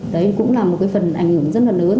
đấy cũng là một cái phần ảnh hưởng rất là lớn